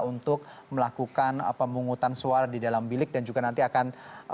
untuk melakukan pemungutan suara di dalam bilik dan juga nanti akan